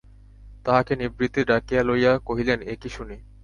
তাহাকে নিভৃতে ডাকিয়া লইয়া কহিলেন, এ কী শুনি!